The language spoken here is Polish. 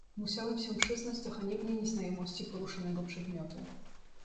"Musiałem się przyznać do haniebnej nieznajomości poruszanego przedmiotu."